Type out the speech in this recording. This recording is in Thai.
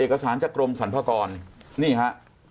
เอกสารจากกรมสรรพากรนี่ฮะ